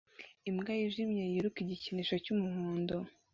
Imbwa yijimye yiruka igikinisho cyumuhondo